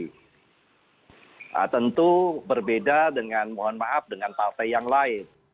nah tentu berbeda dengan mohon maaf dengan partai yang lain